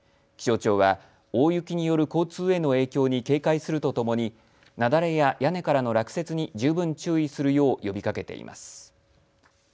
気象庁は大雪による交通への影響に警戒するとともに雪崩や屋根からの落雪に十分注意するよう呼びかけています。